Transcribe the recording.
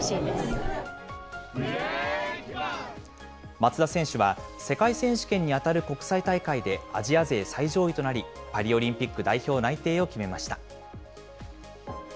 松田選手は、世界選手権に当たる国際大会でアジア勢最上位となり、パリオリンピック代表内定を決めました。